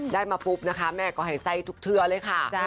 ได้มาปุ๊บนะคะแม่ก็ให้ไส้ทุกเทือเลยค่ะ